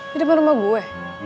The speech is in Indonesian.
di depan rumah gue